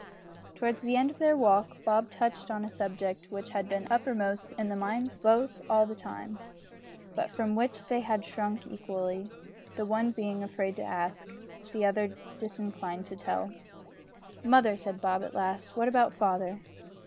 Towards the end of their walk, Bob touched on a subject which had been uppermost in the minds of both all the time, but from which they had shrunk equally, the one being afraid to ask, the other disinclined to tell. "Mother," said Bob, at last, "what about father?"